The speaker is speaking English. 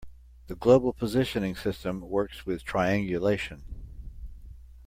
The global positioning system works with triangulation.